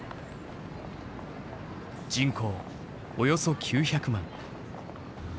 人口およそ９００万。